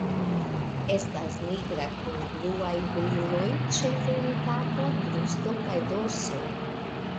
Estas nigra kun bluaj briloj, ĉefe en kapo, brusto kaj dorso.